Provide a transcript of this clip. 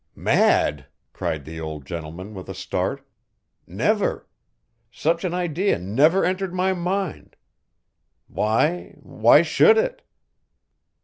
"Mad!" cried the old gentleman with a start. "Never such an idea never entered my mind. Why why should it?"